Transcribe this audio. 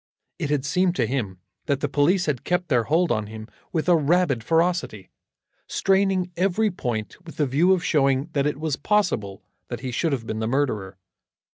It had seemed to him that the police had kept their hold on him with a rabid ferocity, straining every point with the view of showing that it was possible that he should have been the murderer.